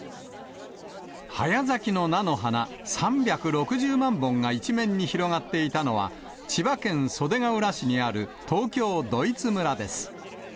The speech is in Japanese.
早咲きの菜の花、３６０万本が一面に広がっていたのは、千葉県袖ケ浦市にある東京ドイツ村です。